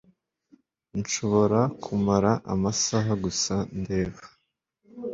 Nshobora kumara amasaha gusa ndeba